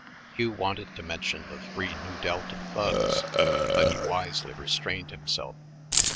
Hugh wanted to mention the three Nu Delta thugs, but he wisely restrained himself.